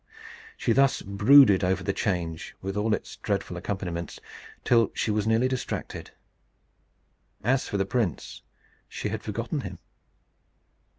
She thus brooded over the change, with all its dreadful accompaniments, till she was nearly distracted. As for the prince, she had forgotten him.